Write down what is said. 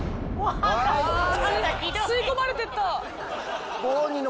吸い込まれてった。